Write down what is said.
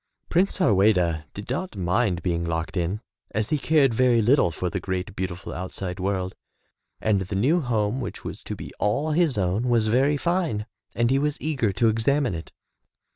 Prince Harweda did not mind being locked in, as he cared very little for the great beautiful outside world, and the new home which was to be all his own was very fine, and he was eager to examine it.